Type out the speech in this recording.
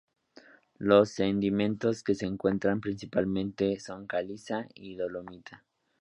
Los sedimentos que se encuentran principalmente son caliza y dolomita.